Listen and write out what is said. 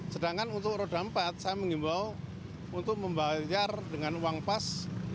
sedangkan untuk roda empat saya mengimbau untuk membayar dengan uang pas